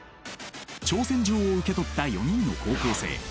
挑戦状を受け取った４人の高校生。